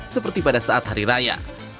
seperti pada saat hari raya